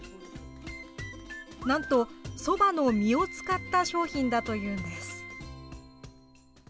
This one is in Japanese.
なんと、そばの実を使った商品だというのです。